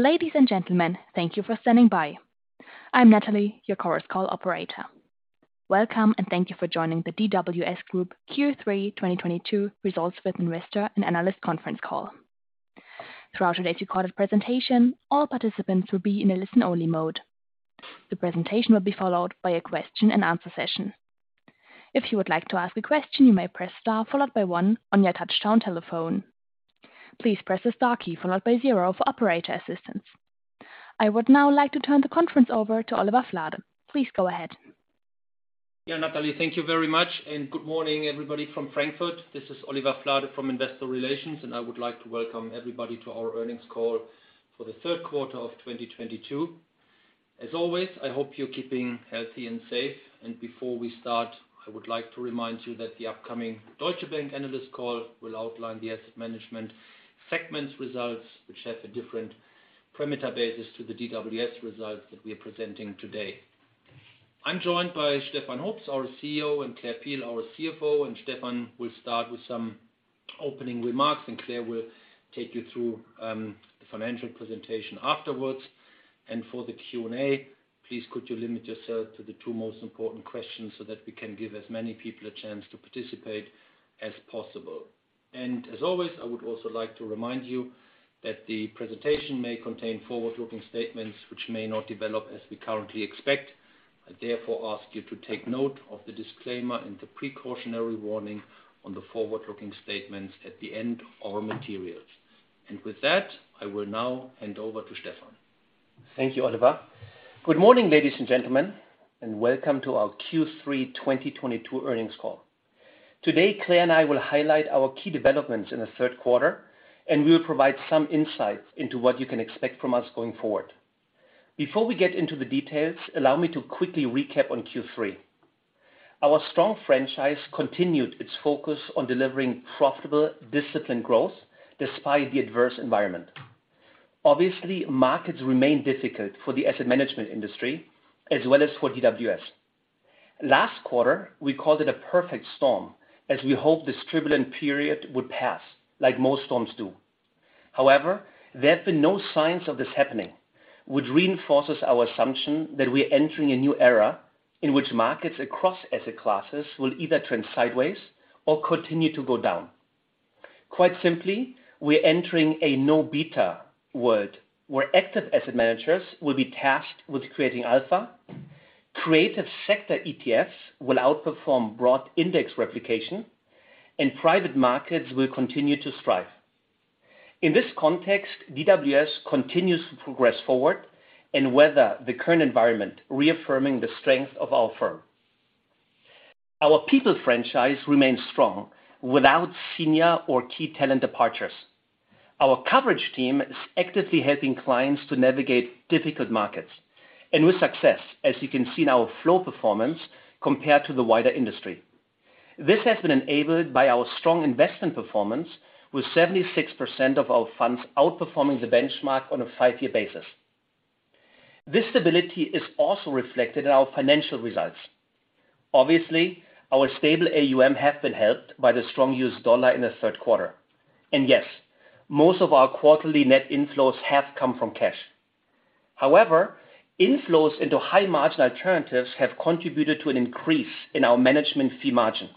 Ladies and gentlemen, thank you for standing by. I'm Natalie, your Chorus Call operator. Welcome, and thank you for joining the DWS Group Q3 2022 Results with Investor and Analyst Conference Call. Throughout today's recorded presentation, all participants will be in a listen-only mode. The presentation will be followed by a question-and-answer session. If you would like to ask a question, you may press star followed by one on your touchtone telephone. Please press the star key followed by zero for operator assistance. I would now like to turn the conference over to Oliver Flade. Please go ahead. Yeah, Natalie, thank you very much. Good morning, everybody from Frankfurt. This is Oliver Flade from Investor Relations, and I would like to welcome everybody to our earnings call for the third quarter of 2022. As always, I hope you're keeping healthy and safe. Before we start, I would like to remind you that the upcoming Deutsche Bank analyst call will outline the asset management segment's results, which have a different parameter basis to the DWS results that we are presenting today. I'm joined by Stefan Hoops, our CEO, and Claire Peel, our CFO. Stefan will start with some opening remarks, and Claire will take you through the financial presentation afterwards. For the Q&A, please could you limit yourself to the two most important questions so that we can give as many people a chance to participate as possible. As always, I would also like to remind you that the presentation may contain forward-looking statements which may not develop as we currently expect. I therefore ask you to take note of the disclaimer and the precautionary warning on the forward-looking statements at the end of our materials. With that, I will now hand over to Stefan. Thank you, Oliver. Good morning, ladies and gentlemen, and welcome to our Q3 2022 earnings call. Today, Claire and I will highlight our key developments in the third quarter, and we will provide some insights into what you can expect from us going forward. Before we get into the details, allow me to quickly recap on Q3. Our strong franchise continued its focus on delivering profitable, disciplined growth despite the adverse environment. Obviously, markets remain difficult for the asset management industry as well as for DWS. Last quarter, we called it a perfect storm as we hoped this turbulent period would pass, like most storms do. However, there have been no signs of this happening, which reinforces our assumption that we are entering a new era in which markets across asset classes will either trend sideways or continue to go down. Quite simply, we are entering a no beta world, where active asset managers will be tasked with creating alpha, creative sector ETFs will outperform broad index replication, and private markets will continue to strive. In this context, DWS continues to progress forward and weather the current environment, reaffirming the strength of our firm. Our people franchise remains strong without senior or key talent departures. Our coverage team is actively helping clients to navigate difficult markets and with success, as you can see in our flow performance compared to the wider industry. This has been enabled by our strong investment performance, with 76% of our funds outperforming the benchmark on a five-year basis. This stability is also reflected in our financial results. Obviously, our stable AuM have been helped by the strong U.S. dollar in the third quarter. Yes, most of our quarterly net inflows have come from cash. However, inflows into high-margin alternatives have contributed to an increase in our management fee margin.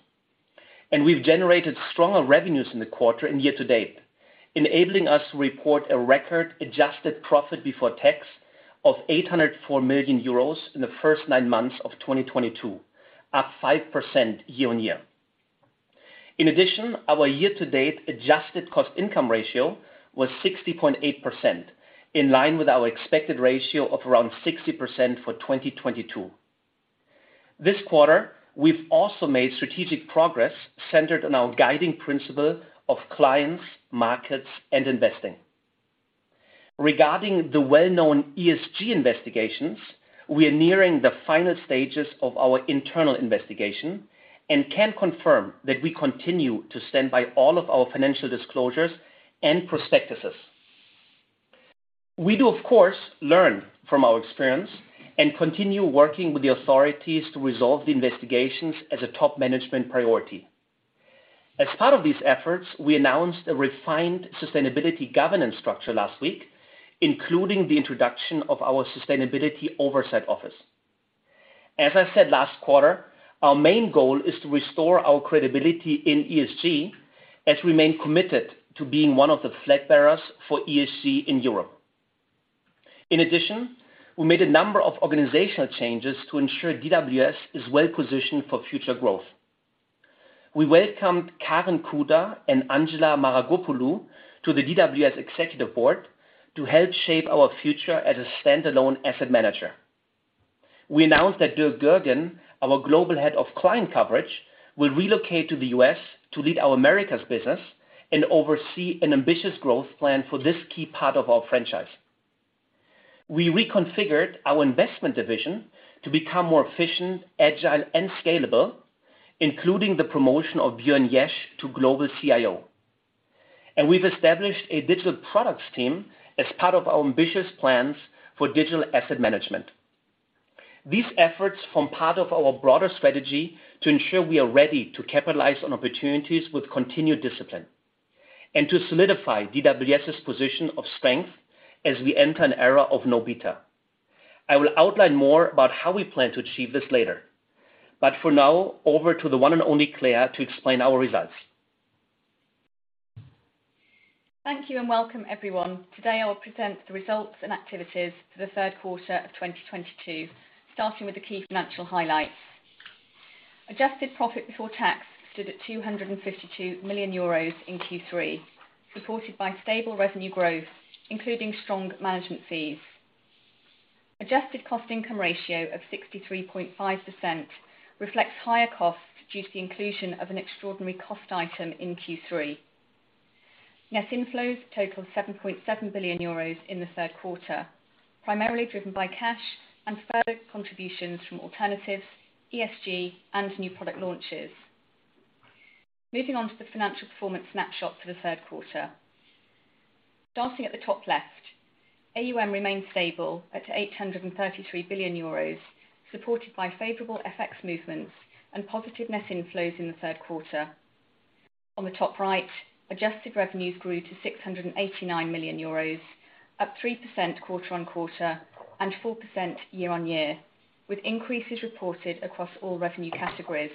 We've generated stronger revenues in the quarter and year-to-date, enabling us to report a record adjusted profit before tax of 804 million euros in the first nine months of 2022, up 5% year-on-year. In addition, our year-to-date adjusted cost income ratio was 60.8%, in line with our expected ratio of around 60% for 2022. This quarter, we've also made strategic progress centered on our guiding principle of clients, markets, and investing. Regarding the well-known ESG investigations, we are nearing the final stages of our internal investigation and can confirm that we continue to stand by all of our financial disclosures and prospectuses. We do, of course, learn from our experience and continue working with the authorities to resolve the investigations as a top management priority. As part of these efforts, we announced a refined sustainability governance structure last week, including the introduction of our sustainability oversight office. As I said last quarter, our main goal is to restore our credibility in ESG as we remain committed to being one of the flag bearers for ESG in Europe. In addition, we made a number of organizational changes to ensure DWS is well-positioned for future growth. We welcomed Karen Kuder and Angela Maragkopoulou to the DWS executive board to help shape our future as a standalone asset manager. We announced that Dirk Goergen, our Global Head of Client Coverage, will relocate to the U.S. to lead our Americas business and oversee an ambitious growth plan for this key part of our franchise. We reconfigured our investment division to become more efficient, agile, and scalable, including the promotion of Björn Jesch to Global CIO. We've established a digital products team as part of our ambitious plans for digital asset management. These efforts form part of our broader strategy to ensure we are ready to capitalize on opportunities with continued discipline and to solidify DWS's position of strength as we enter an era of no beta. I will outline more about how we plan to achieve this later. For now, over to the one and only Claire to explain our results. Thank you and welcome, everyone. Today, I'll present the results and activities for the third quarter of 2022, starting with the key financial highlights. Adjusted profit before tax stood at 252 million euros in Q3, supported by stable revenue growth, including strong management fees. Adjusted cost-income ratio of 63.5% reflects higher costs due to the inclusion of an extraordinary cost item in Q3. Net inflows totaled 7.7 billion euros in the third quarter, primarily driven by cash and further contributions from alternatives, ESG and new product launches. Moving on to the financial performance snapshot for the third quarter. Starting at the top left, AuM remained stable at 833 billion euros, supported by favorable FX movements and positive net inflows in the third quarter. On the top right, adjusted revenues grew to 689 million euros, up 3% quarter-on-quarter and 4% year-on-year, with increases reported across all revenue categories.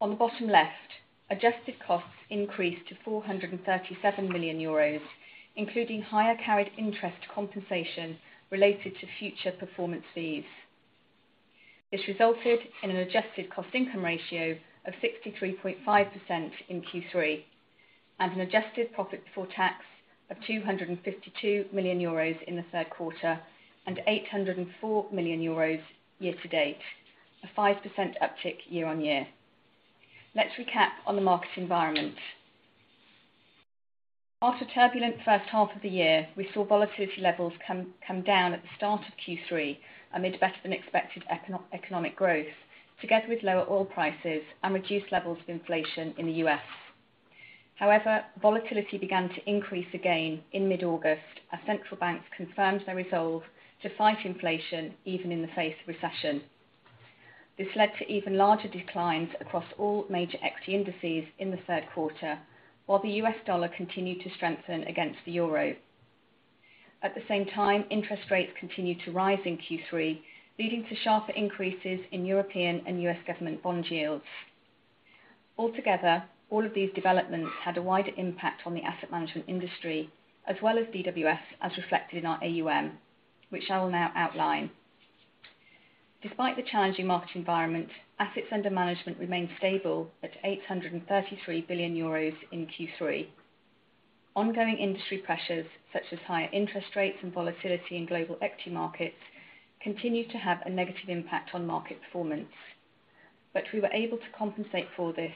On the bottom left, adjusted costs increased to 437 million euros, including higher carried interest compensation related to future performance fees. This resulted in an adjusted cost income ratio of 63.5% in Q3 and an adjusted profit before tax of 252 million euros in the third quarter and 804 million euros year to date, a 5% uptick year-on-year. Let's recap on the market environment. After a turbulent first half of the year, we saw volatility levels come down at the start of Q3 amid better than expected economic growth, together with lower oil prices and reduced levels of inflation in the U.S. However, volatility began to increase again in mid-August as central banks confirmed their resolve to fight inflation even in the face of recession. This led to even larger declines across all major equity indices in the third quarter, while the U.S. dollar continued to strengthen against the euro. At the same time, interest rates continued to rise in Q3, leading to sharper increases in European and U.S. government bond yields. Altogether, all of these developments had a wider impact on the asset management industry as well as DWS, as reflected in our AuM, which I will now outline. Despite the challenging market environment, assets under management remained stable at 833 billion euros in Q3. Ongoing industry pressures, such as higher interest rates and volatility in global equity markets, continued to have a negative impact on market performance. We were able to compensate for this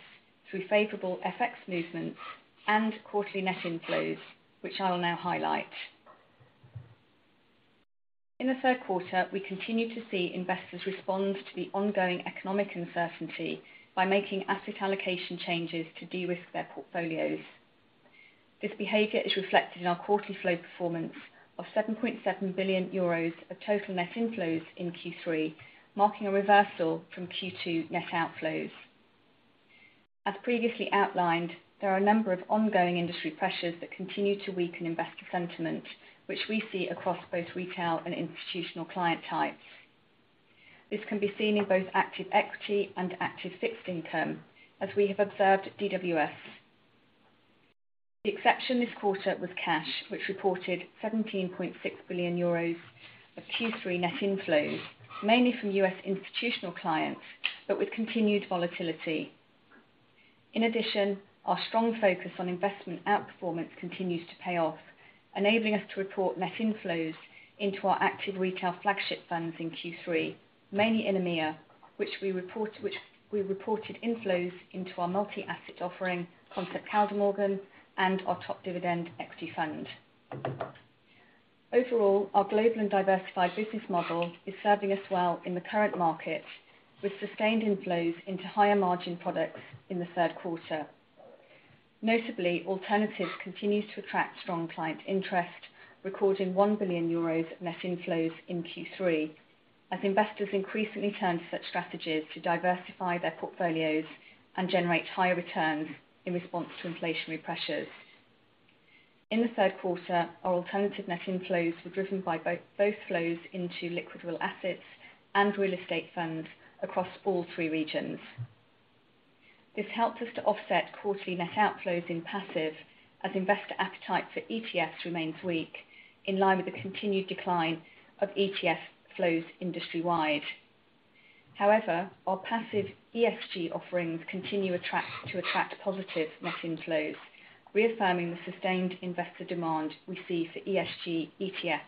through favorable FX movements and quarterly net inflows, which I will now highlight. In the third quarter, we continued to see investors respond to the ongoing economic uncertainty by making asset allocation changes to de-risk their portfolios. This behavior is reflected in our quarterly flow performance of 7.7 billion euros of total net inflows in Q3, marking a reversal from Q2 net outflows. As previously outlined, there are a number of ongoing industry pressures that continue to weaken investor sentiment, which we see across both retail and institutional client types. This can be seen in both active equity and active fixed income, as we have observed at DWS. The exception this quarter was cash, which reported 17.6 billion euros of Q3 net inflows, mainly from U.S. institutional clients, but with continued volatility. In addition, our strong focus on investment outperformance continues to pay off, enabling us to report net inflows into our active retail flagship funds in Q3, mainly in EMEA, which we reported inflows into our multi-asset offering from Concept Kaldemorgen and our top dividend equity fund. Overall, our global and diversified business model is serving us well in the current market, with sustained inflows into higher margin products in the third quarter. Notably, alternatives continues to attract strong client interest, recording 1 billion euros net inflows in Q3 as investors increasingly turn to such strategies to diversify their portfolios and generate higher returns in response to inflationary pressures. In the third quarter, our alternative net inflows were driven by both flows into liquid real assets and real estate funds across all three regions. This helped us to offset quarterly net outflows in passive as investor appetite for ETFs remains weak, in line with the continued decline of ETF flows industry-wide. However, our passive ESG offerings continue to attract positive net inflows, reaffirming the sustained investor demand we see for ESG ETFs,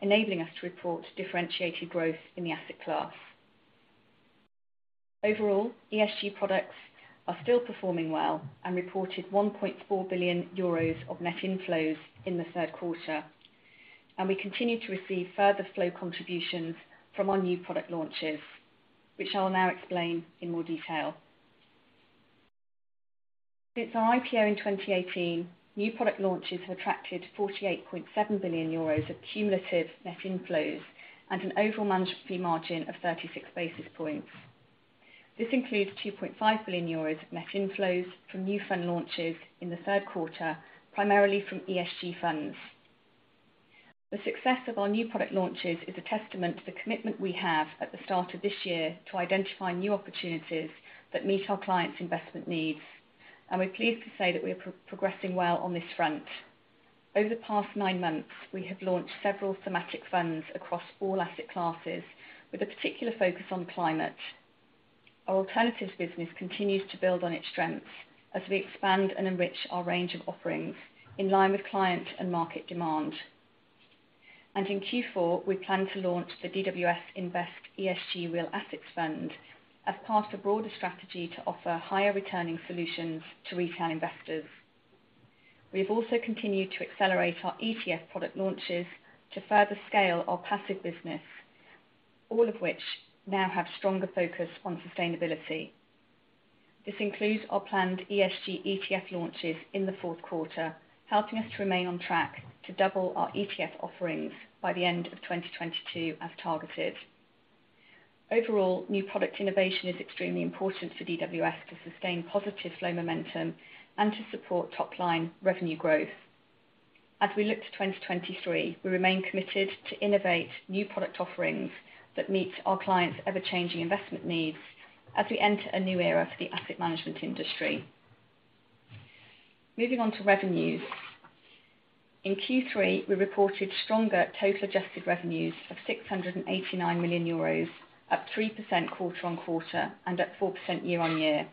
enabling us to report differentiated growth in the asset class. Overall, ESG products are still performing well and reported 1.4 billion euros of net inflows in the third quarter. We continue to receive further flow contributions from our new product launches, which I will now explain in more detail. Since our IPO in 2018, new product launches have attracted 48.7 billion euros of cumulative net inflows and an overall management fee margin of 36 basis points. This includes 2.5 billion euros of net inflows from new fund launches in the third quarter, primarily from ESG funds. The success of our new product launches is a testament to the commitment we have at the start of this year to identify new opportunities that meet our clients' investment needs, and we're pleased to say that we are progressing well on this front. Over the past nine months, we have launched several thematic funds across all asset classes with a particular focus on climate. Our alternatives business continues to build on its strengths as we expand and enrich our range of offerings in line with client and market demand. In Q4, we plan to launch the DWS Invest ESG Real Assets Fund as part of a broader strategy to offer higher returning solutions to retail investors. We have also continued to accelerate our ETF product launches to further scale our passive business, all of which now have stronger focus on sustainability. This includes our planned ESG ETF launches in the fourth quarter, helping us to remain on track to double our ETF offerings by the end of 2022 as targeted. Overall, new product innovation is extremely important for DWS to sustain positive flow momentum and to support top-line revenue growth. As we look to 2023, we remain committed to innovate new product offerings that meet our clients' ever-changing investment needs as we enter a new era for the asset management industry. Moving on to revenues. In Q3, we reported stronger total adjusted revenues of 689 million euros, up 3% quarter-on-quarter and up 4% year-on-year,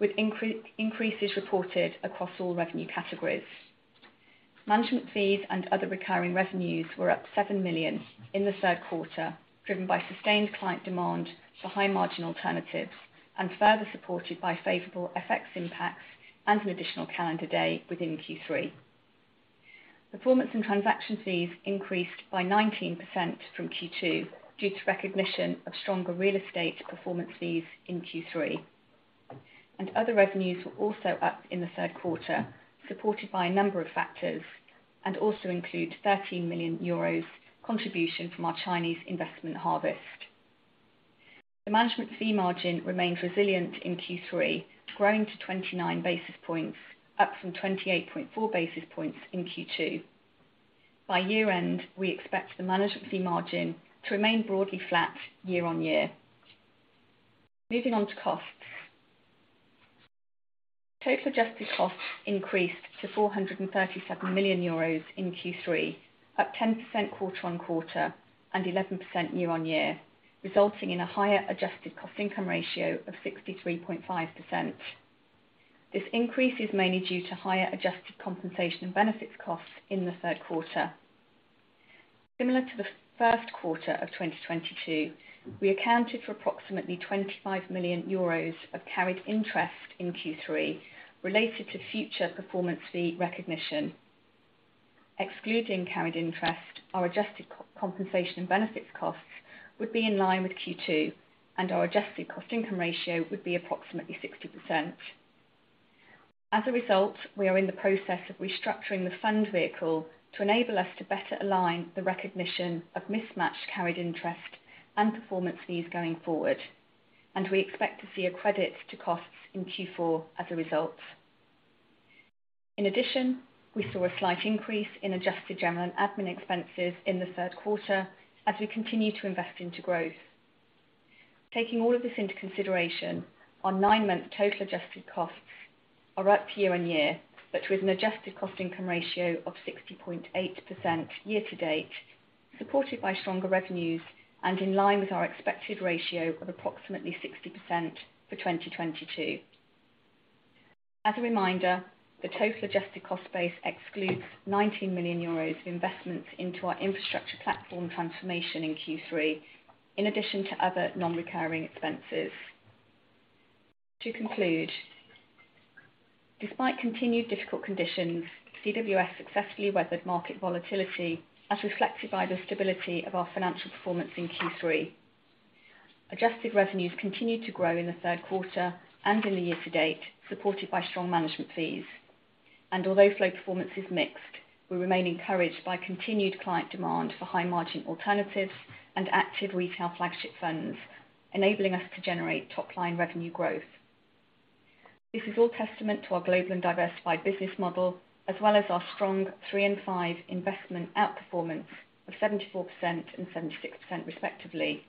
with increases reported across all revenue categories. Management fees and other recurring revenues were up 7 million in the third quarter, driven by sustained client demand for high-margin alternatives and further supported by favorable FX impacts and an additional calendar day within Q3. Performance and transaction fees increased by 19% from Q2 due to recognition of stronger real estate performance fees in Q3. Other revenues were also up in the third quarter, supported by a number of factors, and also including 13 million euros contribution from our Chinese investment, Harvest. The management fee margin remains resilient in Q3, growing to 29 basis points, up from 28.4 basis points in Q2. By year-end, we expect the management fee margin to remain broadly flat year-on-year. Moving on to costs. Total adjusted costs increased to 437 million euros in Q3, up 10% quarter-on-quarter and 11% year-on-year, resulting in a higher adjusted cost-income ratio of 63.5%. This increase is mainly due to higher adjusted compensation and benefits costs in the third quarter. Similar to the first quarter of 2022, we accounted for approximately 25 million euros of carried interest in Q3 related to future performance fee recognition. Excluding carried interest, our adjusted comp and ben costs would be in line with Q2, and our adjusted cost income ratio would be approximately 60%. As a result, we are in the process of restructuring the fund vehicle to enable us to better align the recognition of mismatched carried interest and performance fees going forward, and we expect to see a credit to costs in Q4 as a result. In addition, we saw a slight increase in adjusted general and admin expenses in the third quarter as we continue to invest into growth. Taking all of this into consideration, our nine-month total adjusted costs are up year-on-year, but with an adjusted cost income ratio of 60.8% year to date, supported by stronger revenues and in line with our expected ratio of approximately 60% for 2022. As a reminder, the total adjusted cost base excludes 19 million euros of investments into our infrastructure platform transformation in Q3, in addition to other non-recurring expenses. To conclude, despite continued difficult conditions, DWS successfully weathered market volatility as reflected by the stability of our financial performance in Q3. Adjusted revenues continued to grow in the third quarter and in the year to date, supported by strong management fees. Although flow performance is mixed, we remain encouraged by continued client demand for high-margin alternatives and active retail flagship funds, enabling us to generate top-line revenue growth. This is all testament to our global and diversified business model, as well as our strong three and five investment outperformance of 74% and 76% respectively.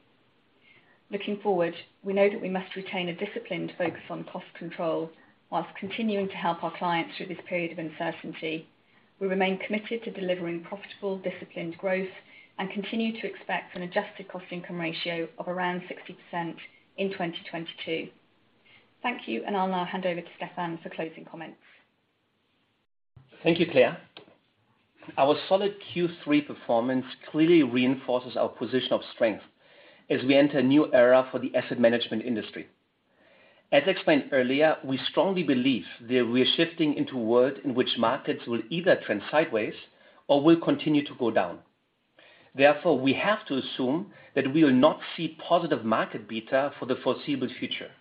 Looking forward, we know that we must retain a disciplined focus on cost control while continuing to help our clients through this period of uncertainty. We remain committed to delivering profitable, disciplined growth and continue to expect an adjusted cost-income ratio of around 60% in 2022. Thank you, and I'll now hand over to Stefan for closing comments. Thank you, Claire. Our solid Q3 performance clearly reinforces our position of strength as we enter a new era for the asset management industry. As explained earlier, we strongly believe that we are shifting into a world in which markets will either trend sideways or will continue to go down. Therefore, we have to assume that we will not see positive market beta for the foreseeable future,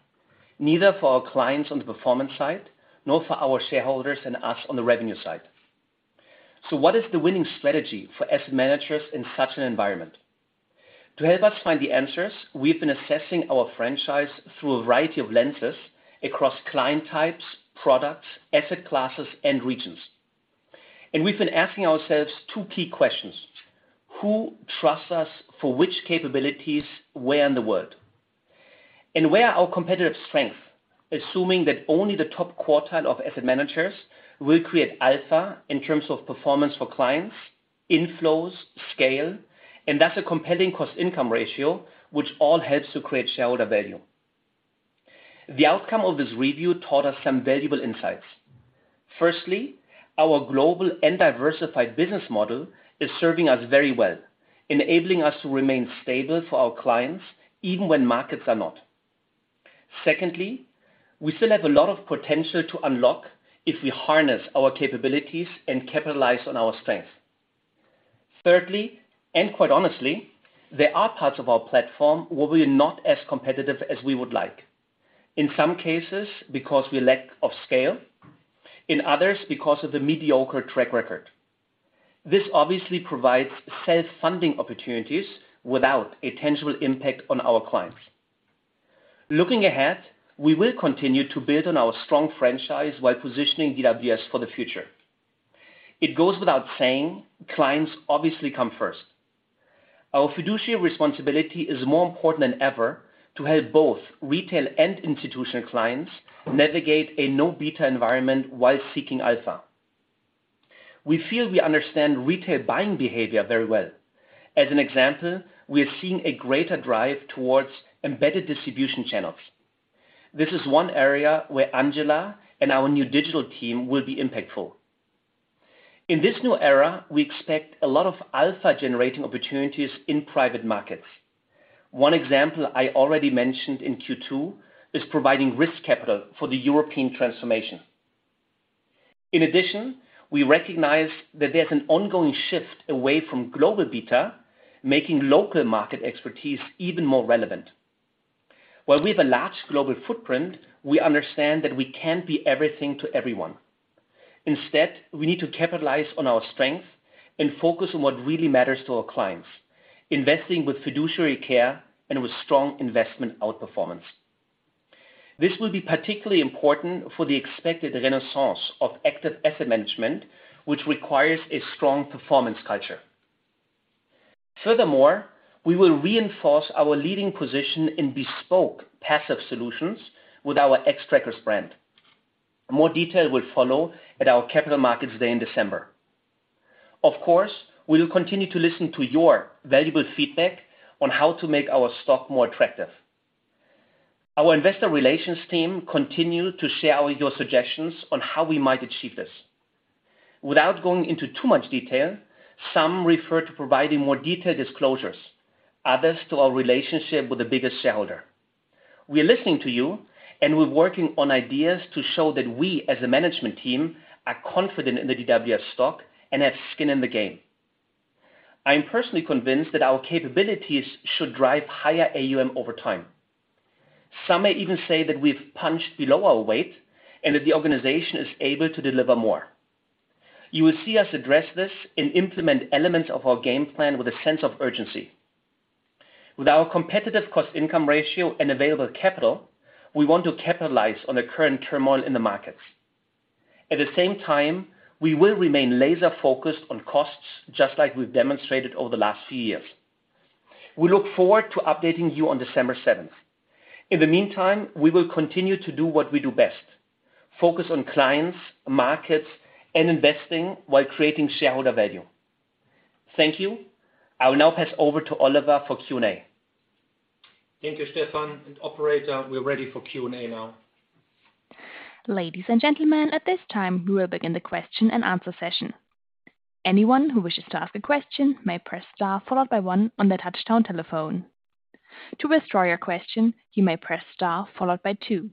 neither for our clients on the performance side, nor for our shareholders and us on the revenue side. So what is the winning strategy for asset managers in such an environment? To help us find the answers, we've been assessing our franchise through a variety of lenses across client types, products, asset classes and regions. We've been asking ourselves two key questions: Who trusts us for which capabilities where in the world? Where are our competitive strengths, assuming that only the top quartile of asset managers will create alpha in terms of performance for clients, inflows, scale, and thus a compelling cost-income ratio, which all helps to create shareholder value. The outcome of this review taught us some valuable insights. Firstly, our global and diversified business model is serving us very well, enabling us to remain stable for our clients even when markets are not. Secondly, we still have a lot of potential to unlock if we harness our capabilities and capitalize on our strengths. Thirdly, and quite honestly, there are parts of our platform where we are not as competitive as we would like. In some cases because we lack of scale, in others because of the mediocre track record. This obviously provides self-funding opportunities without a tangible impact on our clients. Looking ahead, we will continue to build on our strong franchise while positioning DWS for the future. It goes without saying, clients obviously come first. Our fiduciary responsibility is more important than ever to help both retail and institutional clients navigate a no beta environment while seeking alpha. We feel we understand retail buying behavior very well. As an example, we are seeing a greater drive towards embedded distribution channels. This is one area where Angela and our new digital team will be impactful. In this new era, we expect a lot of alpha generating opportunities in private markets. One example I already mentioned in Q2 is providing risk capital for the European transformation. In addition, we recognize that there's an ongoing shift away from global beta, making local market expertise even more relevant. While we have a large global footprint, we understand that we can't be everything to everyone. Instead, we need to capitalize on our strength and focus on what really matters to our clients, investing with fiduciary care and with strong investment outperformance. This will be particularly important for the expected renaissance of active asset management, which requires a strong performance culture. Furthermore, we will reinforce our leading position in bespoke passive solutions with our Xtrackers brand. More detail will follow at our Capital Markets Day in December. Of course, we will continue to listen to your valuable feedback on how to make our stock more attractive. Our investor relations team continue to share your suggestions on how we might achieve this. Without going into too much detail, some refer to providing more detailed disclosures, others to our relationship with the biggest shareholder. We are listening to you, and we're working on ideas to show that we as a management team are confident in the DWS stock and have skin in the game. I am personally convinced that our capabilities should drive higher AuM over time. Some may even say that we've punched below our weight and that the organization is able to deliver more. You will see us address this and implement elements of our game plan with a sense of urgency. With our competitive cost income ratio and available capital, we want to capitalize on the current turmoil in the markets. At the same time, we will remain laser focused on costs, just like we've demonstrated over the last few years. We look forward to updating you on December seventh. In the meantime, we will continue to do what we do best, focus on clients, markets and investing while creating shareholder value. Thank you. I will now pass over to Oliver for Q&A. Thank you, Stefan and operator. We're ready for Q&A now. Ladies and gentlemen, at this time we will begin the question and answer session. Anyone who wishes to ask a question may press star followed by one on their touchtone telephone. To withdraw your question, you may press star followed by two.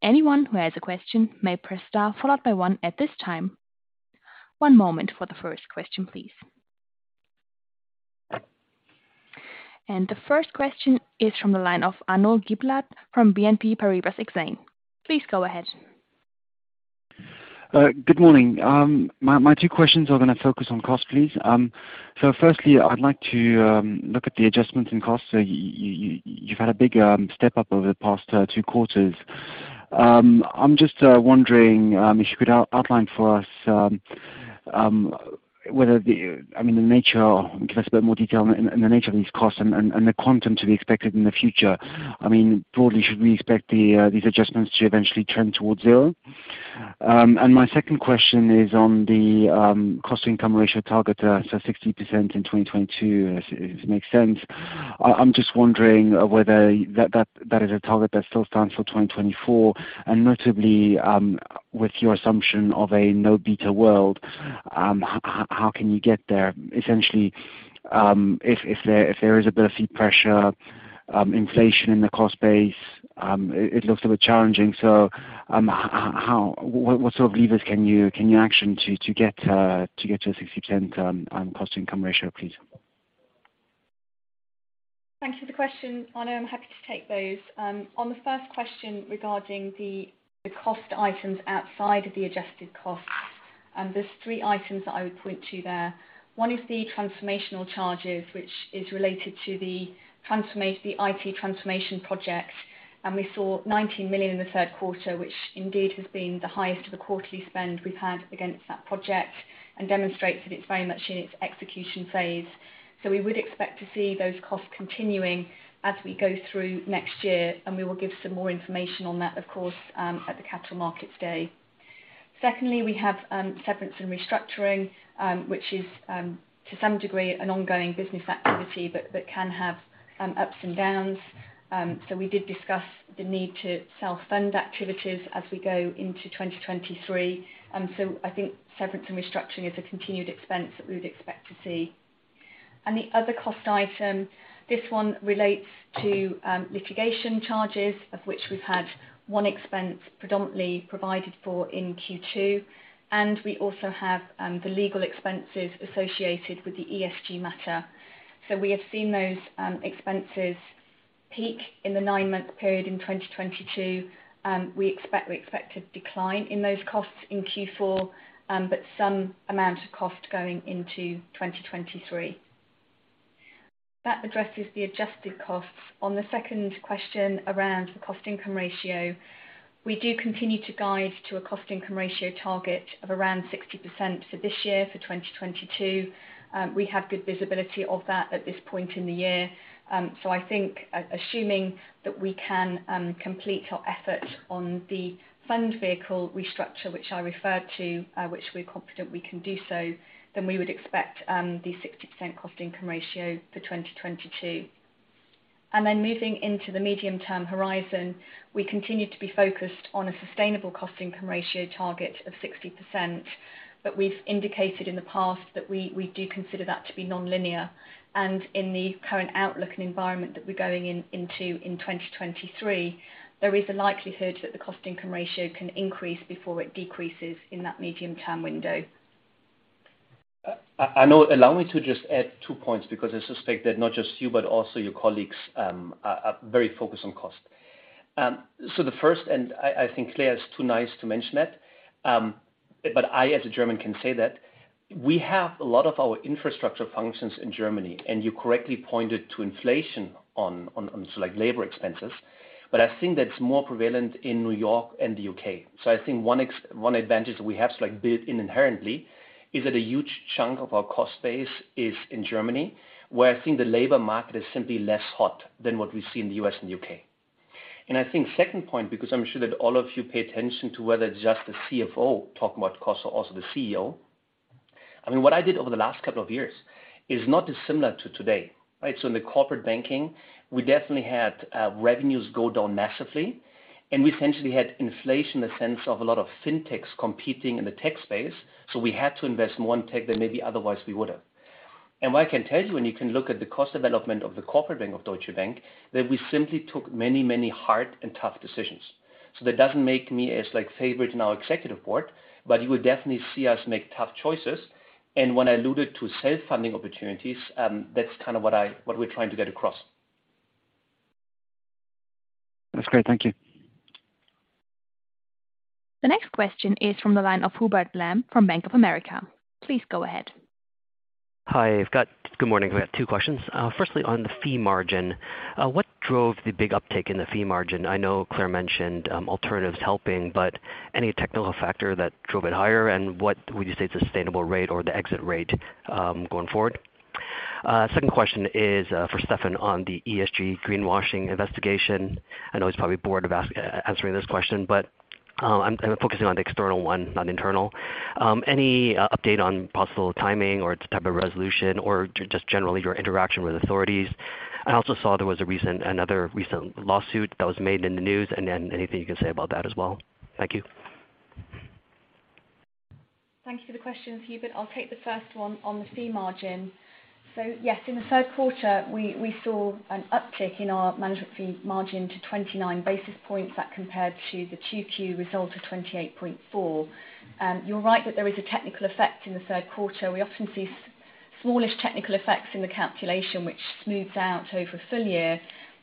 Anyone who has a question may press star followed by one at this time. One moment for the first question, please. The first question is from the line of Arnaud Giblat from BNP Paribas Exane. Please go ahead. Good morning. My two questions are going to focus on cost, please. Firstly, I'd like to look at the adjustments in costs. You've had a big step-up over the past two quarters. I'm just wondering if you could outline for us the nature of these costs and the quantum to be expected in the future. I mean, broadly, should we expect these adjustments to eventually trend towards zero. My second question is on the cost income ratio target. 60% in 2022, if it makes sense. I'm just wondering whether that is a target that still stands for 2024 and notably, with your assumption of a no beta world, how can you get there essentially, if there is a bit of fee pressure, inflation in the cost base? It looks a bit challenging. What sort of levers can you action to get to a 60% cost-income ratio, please? Thanks for the question. I know I'm happy to take those. On the first question regarding the cost items outside of the adjusted costs, there's three items that I would point to there. One is the transformational charges, which is related to the IT transformation project. We saw 19 million in the third quarter, which indeed has been the highest of the quarterly spend we've had against that project and demonstrates that it's very much in its execution phase. We would expect to see those costs continuing as we go through next year, and we will give some more information on that, of course, at the Capital Markets Day. Secondly, we have severance and restructuring, which is to some degree an ongoing business activity but can have ups and downs. We did discuss the need to self-fund activities as we go into 2023. I think severance and restructuring is a continued expense that we would expect to see. The other cost item, this one relates to litigation charges, of which we've had one expense predominantly provided for in Q2, and we also have the legal expenses associated with the ESG matter. We have seen those expenses peak in the nine-month period in 2022. We expect a decline in those costs in Q4, but some amount of cost going into 2023. That addresses the adjusted costs. On the second question around the cost-income ratio, we do continue to guide to a cost-income ratio target of around 60% for this year, for 2022. We have good visibility of that at this point in the year. So I think assuming that we can complete our effort on the fund vehicle restructure, which I referred to, which we're confident we can do so, then we would expect the 60% cost-income ratio for 2022. Then moving into the medium-term horizon, we continue to be focused on a sustainable cost-income ratio target of 60%. We've indicated in the past that we do consider that to be nonlinear. In the current outlook and environment that we're going into in 2023, there is a likelihood that the cost-income ratio can increase before it decreases in that medium-term window. Arnaud, allow me to just add two points because I suspect that not just you, but also your colleagues, are very focused on cost. The first, I think Claire is too nice to mention it, but I as a German can say that we have a lot of our infrastructure functions in Germany, and you correctly pointed to inflation on labor expenses, but I think that's more prevalent in New York and the U.K. I think one advantage that we have, like, built in inherently is that a huge chunk of our cost base is in Germany, where I think the labor market is simply less hot than what we see in the U.S. and U.K. I think second point, because I'm sure that all of you pay attention to whether just the CFO talking about costs or also the CEO. I mean, what I did over the last couple of years is not dissimilar to today, right? In the corporate banking, we definitely had revenues go down massively, and we essentially had inflation in the sense of a lot of fintechs competing in the tech space. We had to invest in our tech that maybe otherwise we wouldn't. What I can tell you, and you can look at the cost development of the corporate bank of Deutsche Bank, that we simply took many, many hard and tough decisions. That doesn't make me as, like, favorite in our executive board, but you will definitely see us make tough choices. When I alluded to self-funding opportunities, that's kind of what we're trying to get across. That's great. Thank you. The next question is from the line of Hubert Lam from Bank of America. Please go ahead. Good morning. We have two questions. Firstly, on the fee margin, what drove the big uptick in the fee margin? I know Claire mentioned alternatives helping, but any technical factor that drove it higher, and what would you say is the sustainable rate or the exit rate going forward? Second question is for Stefan on the ESG greenwashing investigation. I know he's probably bored of answering this question, but I'm focusing on the external one, not internal. Any update on possible timing or its type of resolution, or just generally your interaction with authorities? I also saw there was another recent lawsuit that was made in the news, and then anything you can say about that as well. Thank you. Thank you for the questions, Hubert. I'll take the first one on the fee margin. Yes, in the third quarter, we saw an uptick in our management fee margin to 29 basis points. That compared to the Q2 result of 28.4. You're right that there is a technical effect in the third quarter. We often see smallest technical effects in the calculation, which smooths out over a full year.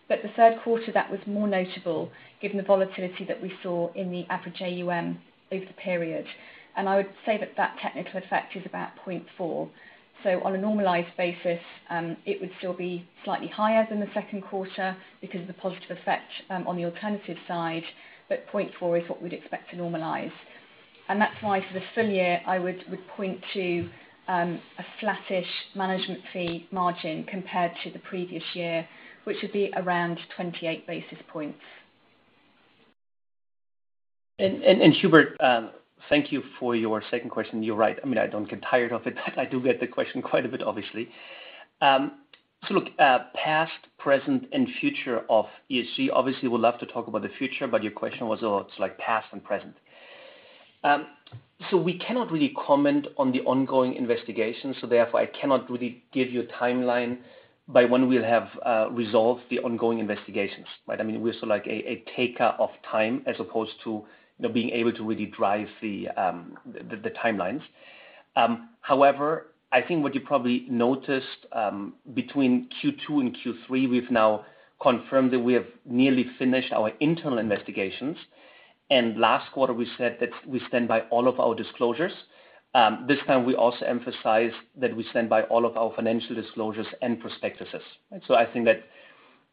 The third quarter, that was more notable given the volatility that we saw in the average AuM over the period. I would say that technical effect is about 0.4. On a normalized basis, it would still be slightly higher than the second quarter because of the positive effect on the alternative side. 0.4 is what we'd expect to normalize. That's why for the full year, I would point to a flattish management fee margin compared to the previous year, which would be around 28 basis points. Hubert Lam, thank you for your second question. You're right. I mean, I don't get tired of it. I do get the question quite a bit, obviously. Look, past, present, and future of ESG. Obviously would love to talk about the future, but your question was on, like, past and present. We cannot really comment on the ongoing investigation, so therefore, I cannot really give you a timeline by when we'll have resolved the ongoing investigations. Right. I mean, we're like it takes time as opposed to, you know, being able to really drive the timelines. However, I think what you probably noticed between Q2 and Q3, we've now confirmed that we have nearly finished our internal investigations, and last quarter we said that we stand by all of our disclosures. This time we also emphasize that we stand by all of our financial disclosures and prospectuses. I think that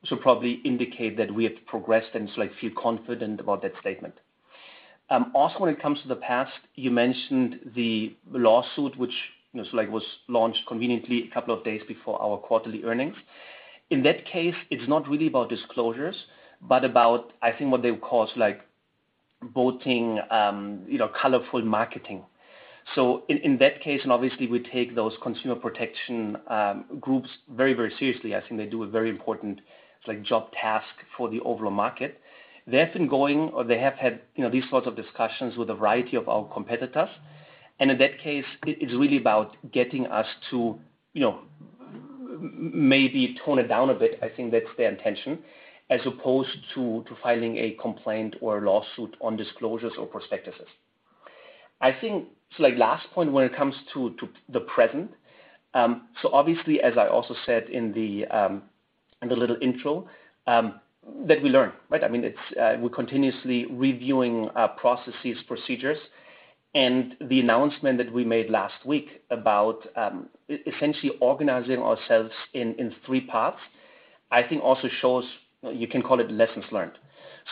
should probably indicate that we have progressed and feel confident about that statement. Also when it comes to the past, you mentioned the lawsuit which, you know, so like, was launched conveniently a couple of days before our quarterly earnings. In that case, it's not really about disclosures, but about, I think what they would call like bloating, you know, colorful marketing. In that case, and obviously we take those consumer protection groups very, very seriously. I think they do a very important like, job task for the overall market. They have been going or they have had, you know, these sorts of discussions with a variety of our competitors. In that case, it's really about getting us to, you know, maybe tone it down a bit. I think that's their intention, as opposed to filing a complaint or a lawsuit on disclosures or prospectuses. I think so, like, last point when it comes to the present. Obviously, as I also said in the little intro, that we learn, right? I mean, it's we're continuously reviewing processes, procedures and the announcement that we made last week about essentially organizing ourselves in three parts. I think also shows, you know, you can call it lessons learned.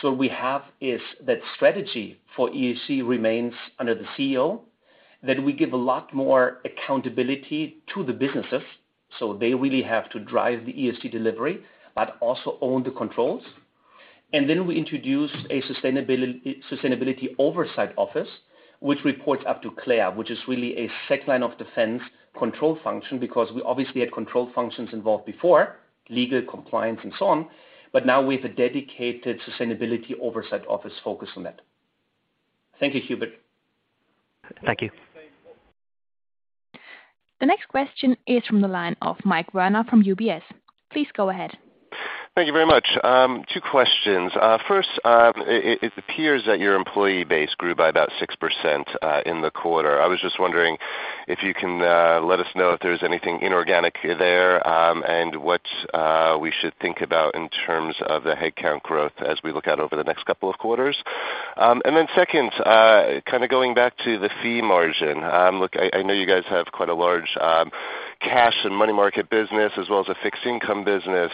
What we have is that strategy for ESG remains under the CEO, that we give a lot more accountability to the businesses. They really have to drive the ESG delivery, but also own the controls. We introduce a sustainability oversight office, which reports up to Claire, which is really a second line of defense control function because we obviously had control functions involved before legal compliance and so on. Now we have a dedicated sustainability oversight office focused on that. Thank you, Hubert. Thank you. The next question is from the line of Michael Werner from UBS. Please go ahead. Thank you very much. Two questions. First, it appears that your employee base grew by about 6% in the quarter. I was just wondering if you can let us know if there's anything inorganic there, and what we should think about in terms of the headcount growth as we look out over the next couple of quarters. Second, kind of going back to the fee margin. Look, I know you guys have quite a large cash and money market business as well as a fixed income business.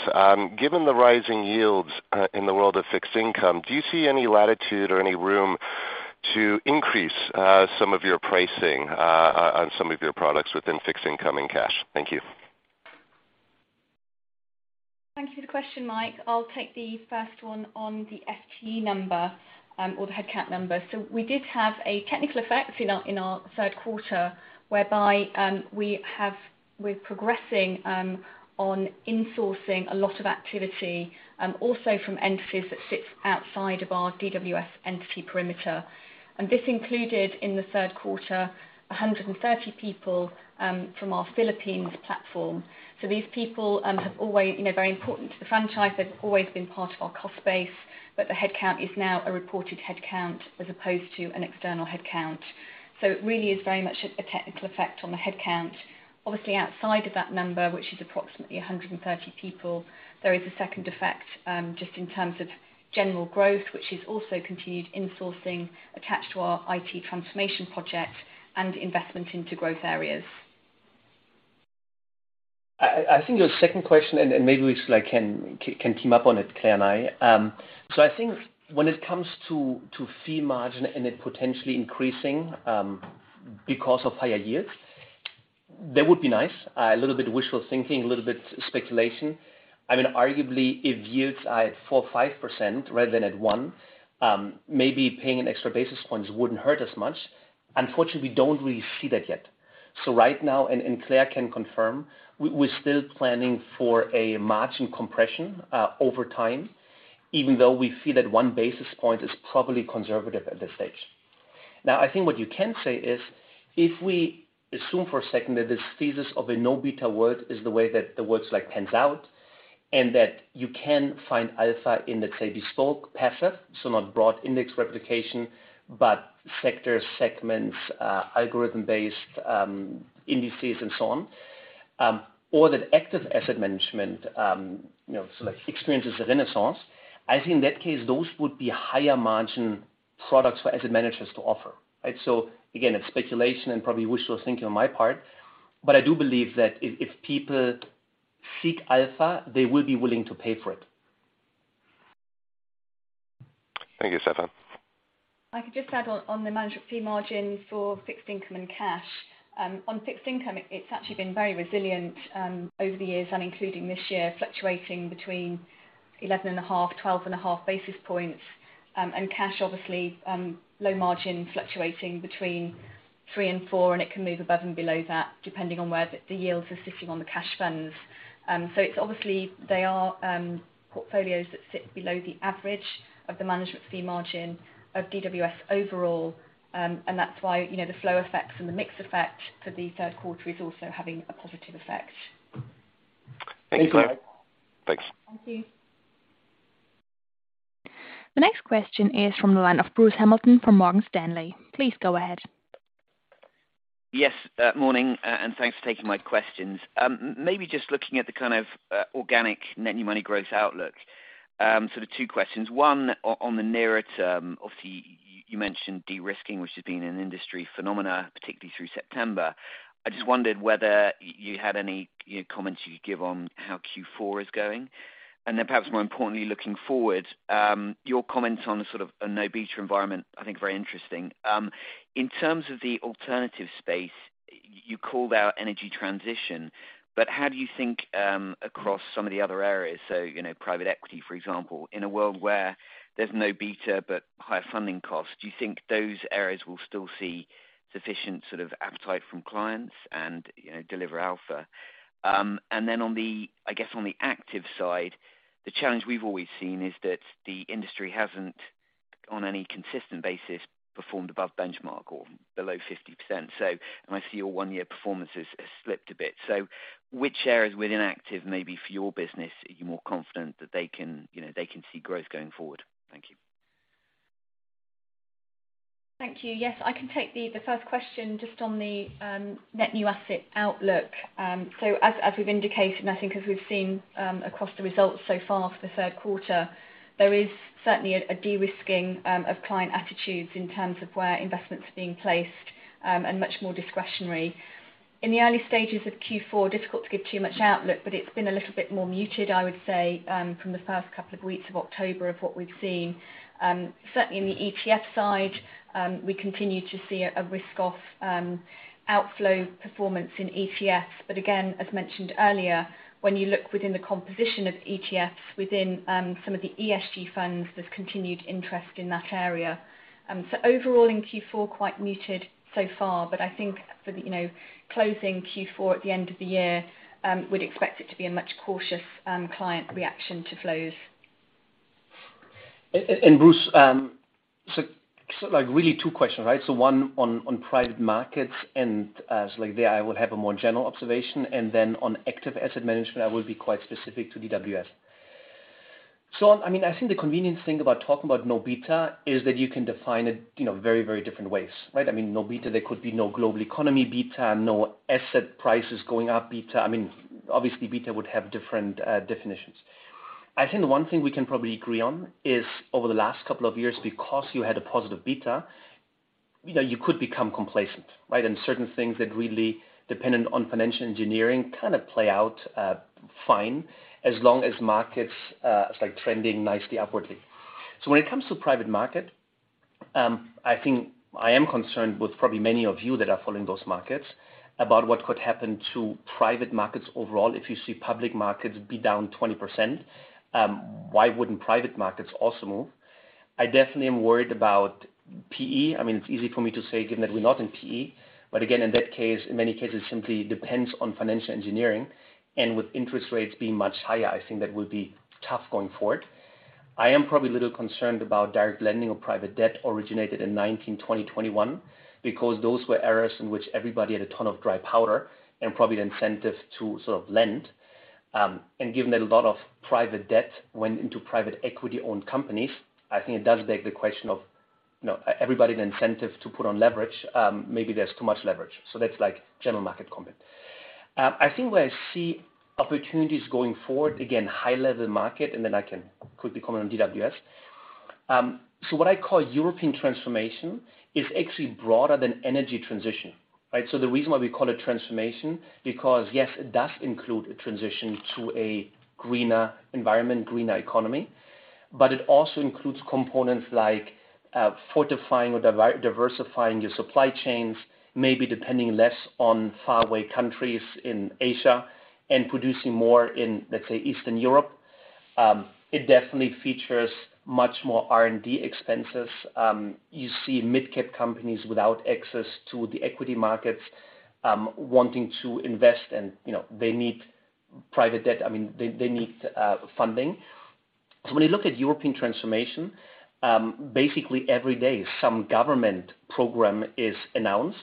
Given the rising yields in the world of fixed income, do you see any latitude or any room to increase some of your pricing on some of your products within fixed income and cash? Thank you. Thank you for the question, Mike. I'll take the first one on the FTE number, or the headcount number. We did have a technical effect in our third quarter whereby we're progressing on insourcing a lot of activity also from entities that sits outside of our DWS entity perimeter. This included, in the third quarter, 130 people from our Philippines platform. These people have always, you know, very important to the franchise. They've always been part of our cost base, but the headcount is now a reported headcount as opposed to an external headcount. It really is very much a technical effect on the headcount. Obviously outside of that number, which is approximately 130 people, there is a second effect, just in terms of general growth, which is also continued insourcing attached to our IT transformation project and investment into growth areas. I think your second question, and maybe we like can team up on it, Claire and I. I think when it comes to fee margin and it potentially increasing because of higher yields, that would be nice. A little bit wishful thinking, a little bit speculation. I mean, arguably, if yields are at 4%-5% rather than at 1%, maybe paying an extra basis points wouldn't hurt as much. Unfortunately, we don't really see that yet. Right now, Claire can confirm, we're still planning for a margin compression over time, even though we feel that one basis point is probably conservative at this stage. Now, I think what you can say is, if we assume for a second that this thesis of a no beta world is the way that the world pans out, and that you can find alpha in let's say bespoke passive, so not broad index replication, but sector segments, algorithm-based indices and so on. Or that active asset management, you know, so like experiences a renaissance. I think in that case, those would be higher margin products for asset managers to offer, right? Again, it's speculation and probably wishful thinking on my part, but I do believe that if people seek alpha, they will be willing to pay for it. Thank you, Stefan. I could just add on the management fee margin for fixed income and cash. On fixed income, it's actually been very resilient, over the years and including this year, fluctuating between 11.5-12.5 basis points. Cash obviously, low margin fluctuating between 3-4, and it can move above and below that, depending on where the yields are sitting on the cash funds. It's obviously they are portfolios that sit below the average of the management fee margin of DWS overall. That's why, you know, the flow effects and the mix effect for the third quarter is also having a positive effect. Thank you. Any more- Thanks. Thank you. The next question is from the line of Bruce Hamilton from Morgan Stanley. Please go ahead. Yes, morning and thanks for taking my questions. Maybe just looking at the kind of organic net new money growth outlook. So the two questions, one on the nearer term, obviously you mentioned de-risking, which has been an industry phenomenon, particularly through September. I just wondered whether you had any, you know, comments you could give on how Q4 is going. Then perhaps more importantly, looking forward, your comments on the sort of a no beta environment I think are very interesting. In terms of the alternative space, you called out energy transition, but how do you think across some of the other areas, you know, private equity, for example. In a world where there's no beta but higher funding costs, do you think those areas will still see sufficient sort of appetite from clients and, you know, deliver alpha? I guess on the active side, the challenge we've always seen is that the industry hasn't on any consistent basis performed above benchmark or below 50%. I see your one-year performance has slipped a bit. Which areas within active, maybe for your business, are you more confident that they can, you know, they can see growth going forward? Thank you. Thank you. Yes, I can take the first question just on the net new asset outlook. As we've indicated, and I think as we've seen, across the results so far for the third quarter, there is certainly a de-risking of client attitudes in terms of where investment's being placed, and much more discretionary. In the early stages of Q4, difficult to give too much outlook, but it's been a little bit more muted, I would say, than the first couple of weeks of October than what we've seen. Certainly in the ETF side, we continue to see a risk of outflow performance in ETFs. Again, as mentioned earlier, when you look within the composition of ETFs within some of the ESG funds, there's continued interest in that area. Overall in Q4, quite muted so far, but I think for the, you know, closing Q4 at the end of the year, we'd expect it to be a much more cautious client reaction to flows. Bruce, so like really two questions, right? One on private markets and, so like there, I will have a more general observation. Then on active asset management, I will be quite specific to DWS. I mean, I think the convenient thing about talking about no beta is that you can define it, you know, very, very different ways, right? I mean, no beta, there could be no global economy beta, no asset prices going up beta. I mean, obviously beta would have different definitions. I think the one thing we can probably agree on is over the last couple of years, because you had a positive beta, you know, you could become complacent, right? Certain things that really dependent on financial engineering kind of play out, fine as long as markets, it's like trending nicely upwardly. When it comes to private markets, I think I am concerned with probably many of you that are following those markets about what could happen to private markets overall. If you see public markets be down 20%, why wouldn't private markets also move? I definitely am worried about P/E. I mean, it's easy for me to say given that we're not in P/E, but again, in that case, in many cases, it simply depends on financial engineering. With interest rates being much higher, I think that will be tough going forward. I am probably a little concerned about direct lending or private debt originated in 2019, 2020, 2021 because those were areas in which everybody had a ton of dry powder and probably the incentive to sort of lend. Given that a lot of private debt went into private equity-owned companies, I think it does beg the question of, you know, everybody's incentive to put on leverage, maybe there's too much leverage. That's like general market comment. I think where I see opportunities going forward, again, high level market and then I can quickly comment on DWS. What I call European transformation is actually broader than energy transition, right? The reason why we call it transformation, because yes, it does include a transition to a greener environment, greener economy, but it also includes components like, fortifying or diversifying your supply chains, maybe depending less on faraway countries in Asia and producing more in, let's say, Eastern Europe. It definitely features much more R&D expenses. You see midcap companies without access to the equity markets, wanting to invest and, you know, they need private debt. I mean, they need funding. When you look at European transformation, basically every day some government program is announced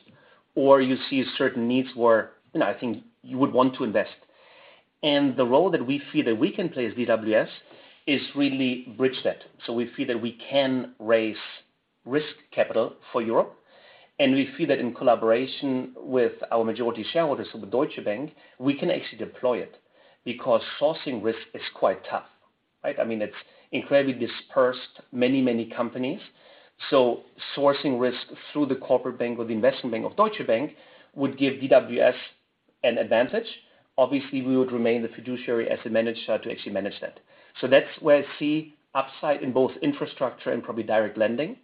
or you see certain needs where, you know, I think you would want to invest. The role that we feel that we can play as DWS is really bridge that. We feel that we can raise risk capital for Europe, and we feel that in collaboration with our majority shareholders, so the Deutsche Bank, we can actually deploy it because sourcing risk is quite tough, right? I mean, it's incredibly dispersed, many, many companies. Sourcing risk through the corporate bank or the investment bank of Deutsche Bank would give DWS an advantage. Obviously, we would remain the fiduciary as a manager to actually manage that. That's where I see upside in both infrastructure and probably direct lending.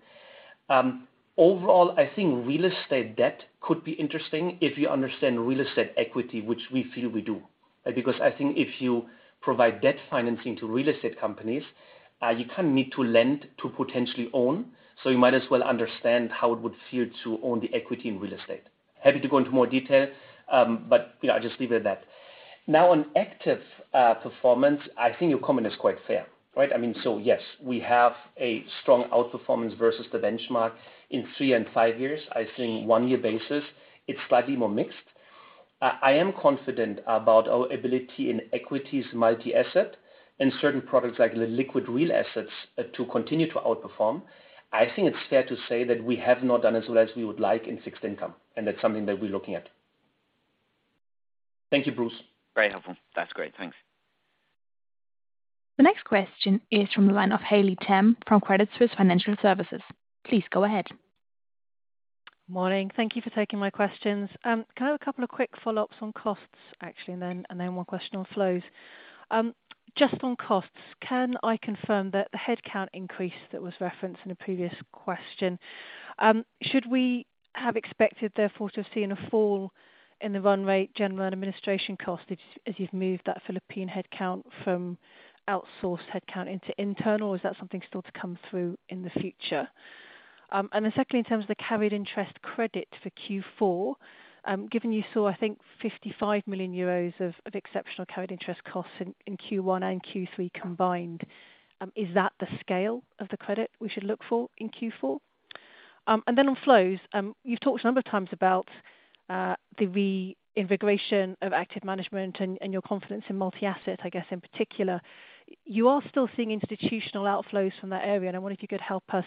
Overall I think real estate debt could be interesting if you understand real estate equity, which we feel we do. Because I think if you provide debt financing to real estate companies, you kind of need to lend to potentially own, so you might as well understand how it would feel to own the equity in real estate. Happy to go into more detail, but, you know, I'll just leave it at that. Now, on active performance, I think your comment is quite fair, right? I mean, yes, we have a strong outperformance versus the benchmark in three and five years. I think one-year basis, it's slightly more mixed. I am confident about our ability in equities multi-asset and certain products like the Liquid Real Assets to continue to outperform. I think it's fair to say that we have not done as well as we would like in fixed income, and that's something that we're looking at. Thank you, Bruce. Very helpful. That's great. Thanks. The next question is from the line of Haley Tam from Credit Suisse Financial Services. Please go ahead. Morning. Thank you for taking my questions. Can I have a couple of quick follow-ups on costs, actually, and then one question on flows. Just on costs, can I confirm that the headcount increase that was referenced in a previous question, should we have expected, therefore, to have seen a fall in the run rate general and administration cost as you've moved that Philippine headcount from outsourced headcount into internal? Or is that something still to come through in the future? And then secondly, in terms of the carried interest credit for Q4, given you saw, I think, 55 million euros of exceptional carried interest costs in Q1 and Q3 combined, is that the scale of the credit we should look for in Q4? Then on flows, you've talked a number of times about the reinvigoration of active management and your confidence in multi-asset, I guess, in particular. You are still seeing institutional outflows from that area, and I wonder if you could help us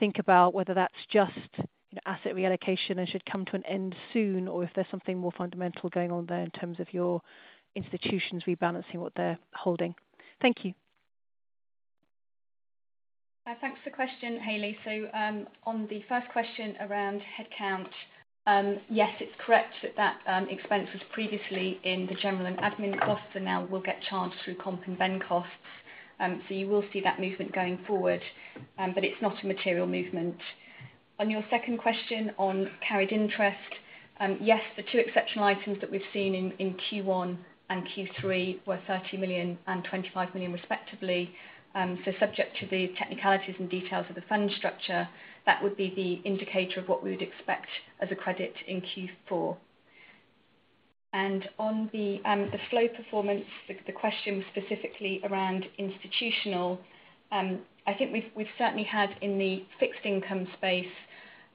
think about whether that's just an asset reallocation that should come to an end soon, or if there's something more fundamental going on there in terms of your institutions rebalancing what they're holding. Thank you. Thanks for the question, Haley. On the first question around headcount, yes, it's correct that expense was previously in the general and admin costs and now will get charged through comp and ben costs. You will see that movement going forward, but it's not a material movement. On your second question on carried interest, yes, the two exceptional items that we've seen in Q1 and Q3 were 30 million and 25 million respectively. Subject to the technicalities and details of the fund structure, that would be the indicator of what we would expect as a credit in Q4. On the flow performance, the question was specifically around institutional. I think we've certainly had in the fixed income space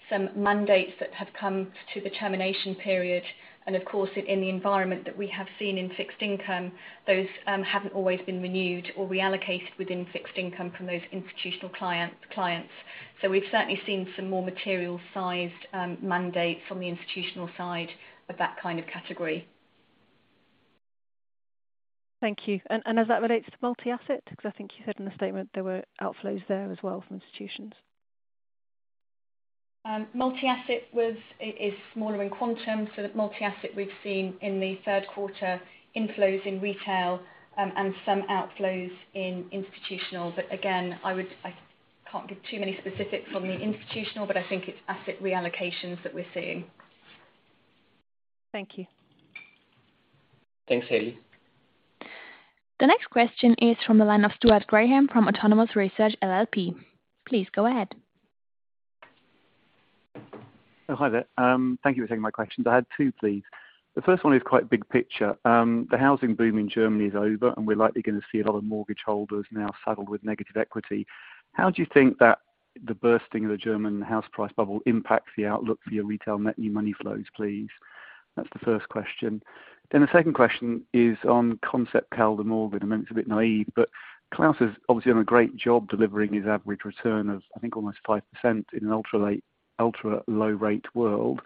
some mandates that have come to the termination period. Of course, in the environment that we have seen in fixed income, those haven't always been renewed or reallocated within fixed income from those institutional clients. We've certainly seen some more material sized mandates from the institutional side of that kind of category. Thank you. As that relates to multi-asset, 'cause I think you said in the statement there were outflows there as well from institutions. Multi-asset is smaller in quantum, so the multi-asset we've seen in the third quarter inflows in retail, and some outflows in institutional. Again, I can't give too many specifics on the institutional, but I think it's asset reallocations that we're seeing. Thank you. Thanks, Haley. The next question is from the line of Stuart Graham from Autonomous Research LLP. Please go ahead. Oh, hi there. Thank you for taking my questions. I had two, please. The first one is quite big picture. The housing boom in Germany is over, and we're likely gonna see a lot of mortgage holders now saddled with negative equity. How do you think that the bursting of the German house price bubble impacts the outlook for your retail net new money flows, please? That's the first question. The second question is on Concept Kaldemorgen. I mean, it's a bit naive, but Klaus has obviously done a great job delivering his average return of, I think almost 5% in an ultra low rate world.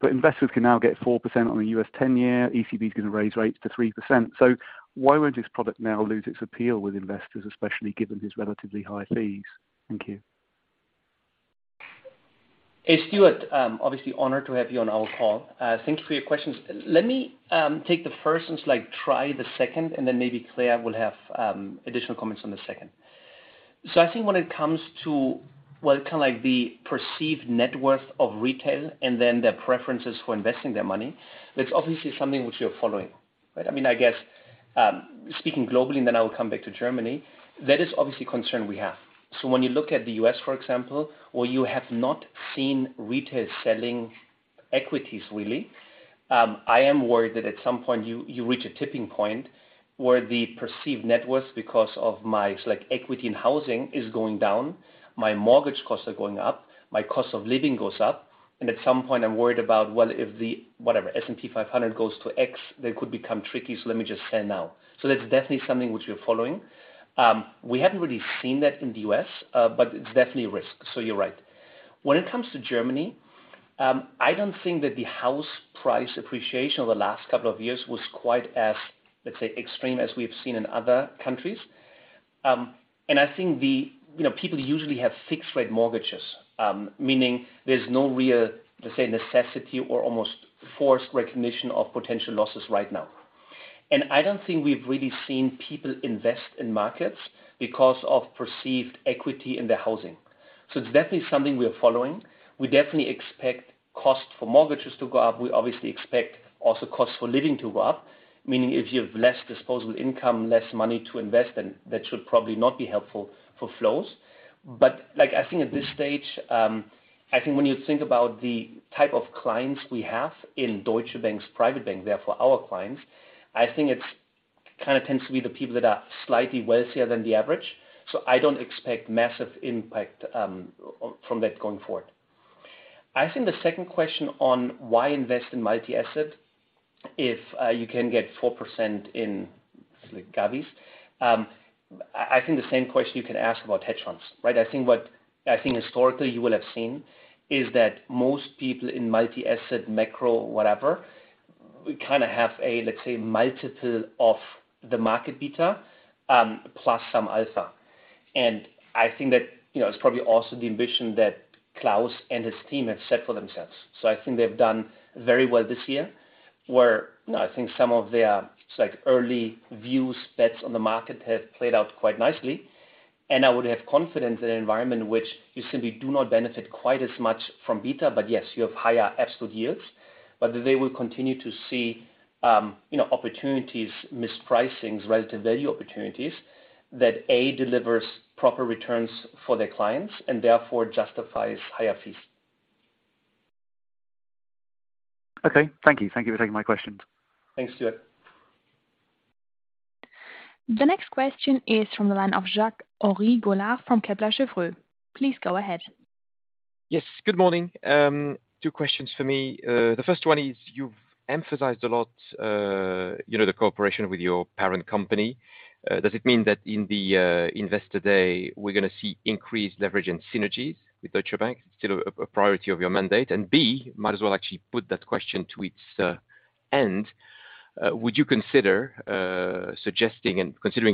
But investors can now get 4% on the US 10-year. ECB's gonna raise rates to 3%. So why won't this product now lose its appeal with investors, especially given his relatively high fees? Thank you. Hey, Stuart, obviously honored to have you on our call. Thank you for your questions. Let me take the first and, like, try the second, and then maybe Claire will have additional comments on the second. I think when it comes to, well, kind of like the perceived net worth of retail and then their preferences for investing their money, that's obviously something which we are following, right? I mean, I guess, speaking globally, and then I will come back to Germany, that is obviously a concern we have. When you look at the U.S., for example, where you have not seen retail selling equities, really, I am worried that at some point you reach a tipping point where the perceived net worth because of my so like equity in housing is going down, my mortgage costs are going up, my cost of living goes up. At some point I'm worried about, well, if the, whatever, S&P 500 goes to X, that could become tricky, so let me just sell now. That's definitely something which we are following. We haven't really seen that in the U.S., but it's definitely a risk. You're right. When it comes to Germany, I don't think that the house price appreciation over the last couple of years was quite as, let's say, extreme as we have seen in other countries. I think the, you know, people usually have fixed rate mortgages, meaning there's no real, let's say, necessity or almost forced recognition of potential losses right now. I don't think we've really seen people invest in markets because of perceived equity in their housing. It's definitely something we are following. We definitely expect costs for mortgages to go up. We obviously expect also cost of living to go up, meaning if you have less disposable income, less money to invest, then that should probably not be helpful for flows. Like, I think at this stage, I think when you think about the type of clients we have in Deutsche Bank's private bank, therefore our clients, I think it's, kinda tends to be the people that are slightly wealthier than the average. I don't expect massive impact from that going forward. I think the second question on why invest in multi-asset if you can get 4% in govies. I think the same question you can ask about hedge funds, right? I think historically you will have seen is that most people in multi-asset, macro, whatever, we kinda have a, let's say, multiple of the market beta, plus some alpha. I think that, you know, it's probably also the ambition that Klaus and his team have set for themselves. I think they've done very well this year, where, you know, I think some of their, like, early views, bets on the market have played out quite nicely. I would have confidence in an environment in which you simply do not benefit quite as much from beta, but yes, you have higher absolute yields. They will continue to see, you know, opportunities, mispricings, relative value opportunities that a delivers proper returns for their clients, and therefore justifies higher fees. Okay. Thank you. Thank you for taking my questions. Thanks, Stuart. The next question is from the line of Jacques-Henri Gaulard from Kepler Cheuvreux. Please go ahead. Yes. Good morning. Two questions for me. The first one is, you've emphasized a lot, you know, the cooperation with your parent company. Does it mean that in the Investor Day, we're gonna see increased leverage and synergies with Deutsche Bank? Still a priority of your mandate. B, might as well actually put that question to rest. Considering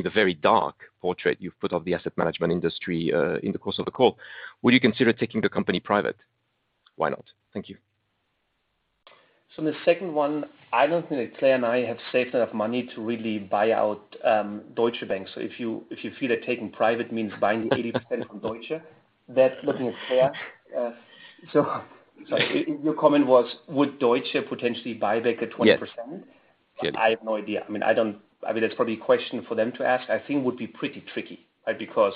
the very dark portrait you've put of the asset management industry in the course of the call, would you consider taking the company private? Why not? Thank you. The second one, I don't think that Claire and I have saved enough money to really buy out Deutsche Bank. If you feel that taking private means buying 80% from Deutsche Bank. That's looking at Claire. Your comment was, would Deutsche potentially buy back the 20%? Yes. Yes. I have no idea. I mean, that's probably a question for them to ask. I think it would be pretty tricky, right? Because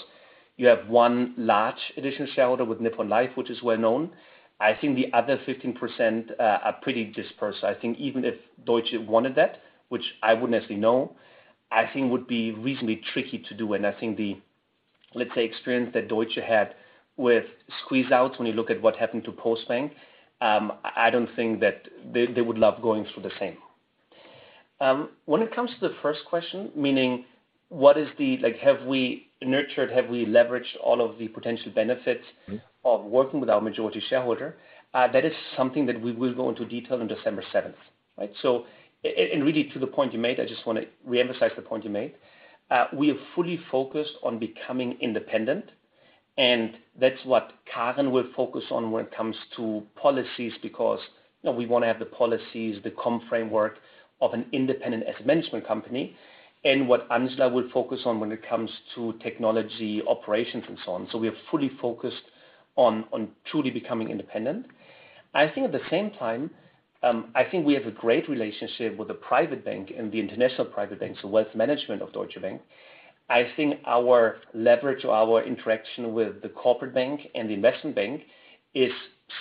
you have one large additional shareholder with Nippon Life, which is well-known. I think the other 15% are pretty dispersed. I think even if Deutsche wanted that, which I wouldn't necessarily know, I think would be reasonably tricky to do. I think the, let's say, experience that Deutsche had with squeeze outs, when you look at what happened to Postbank, I don't think that they would love going through the same. When it comes to the first question, meaning what is the like, have we nurtured, have we leveraged all of the potential benefits- Mm-hmm. of working with our majority shareholder? That is something that we will go into detail on December seventh, right? Really to the point you made, I just wanna re-emphasize the point you made. We are fully focused on becoming independent, and that's what Karin will focus on when it comes to policies, because, you know, we wanna have the policies, the comp framework of an independent asset management company. What Angela will focus on when it comes to technology, operations and so on. We are fully focused on truly becoming independent. I think at the same time, I think we have a great relationship with the private bank and the international private bank, so wealth management of Deutsche Bank. I think our leverage or our interaction with the corporate bank and the investment bank is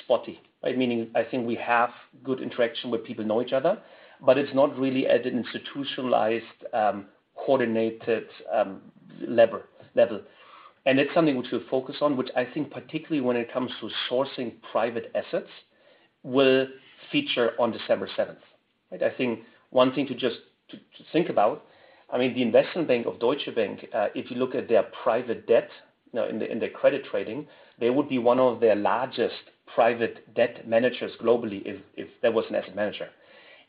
spotty, right? Meaning, I think we have good interaction where people know each other, but it's not really at an institutionalized, coordinated level. It's something which we'll focus on, which I think particularly when it comes to sourcing private assets, will feature on December seventh, right? I think one thing to think about, I mean, the investment bank of Deutsche Bank, if you look at their private debt in the credit trading, they would be one of their largest private debt managers globally if that was an asset manager.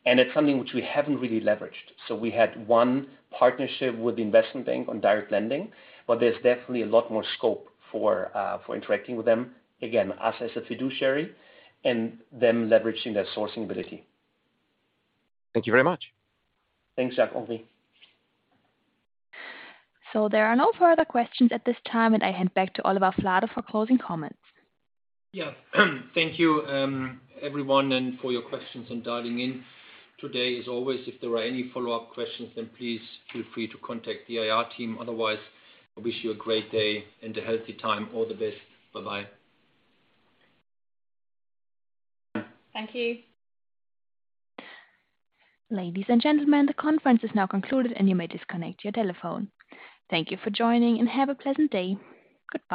It's something which we haven't really leveraged. We had one partnership with the investment bank on direct lending, but there's definitely a lot more scope for interacting with them, again, us as a fiduciary and them leveraging their sourcing ability. Thank you very much. Thanks, Jacques-Henri Gaulard. There are no further questions at this time, and I hand back to Oliver Flade for closing comments. Yeah. Thank you, everyone and for your questions and dialing in today. As always, if there are any follow-up questions, then please feel free to contact the IR team. Otherwise, I wish you a great day and a healthy time. All the best. Bye-bye. Thank you. Ladies and gentlemen, the conference is now concluded and you may disconnect your telephone. Thank you for joining, and have a pleasant day. Goodbye.